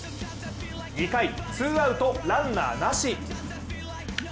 ２回、ツーアウト、ランナーなし。